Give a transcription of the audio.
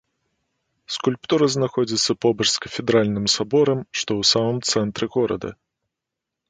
Скульптура знаходзіцца побач з кафедральным саборам, што ў самым цэнтры горада.